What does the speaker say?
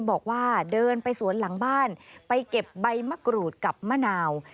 บอกว่าเดินไปสวนหลังบ้านไปเก็บใบมะกรูดกับมะนาว